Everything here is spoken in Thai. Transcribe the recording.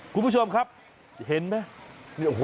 คุณผู้ชมครับเห็นไหม